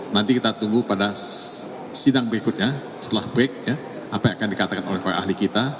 nanti kita tunggu pada sidang berikutnya setelah break apa yang akan dikatakan oleh para ahli kita